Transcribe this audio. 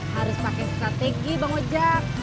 harus pakai strategi bang ojek